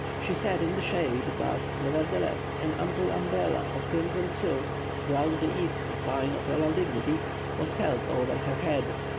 She sat in the shade, but, nevertheless, an ample umbrella of crimson silk throughout the East a sign of royal dignity was held over her head.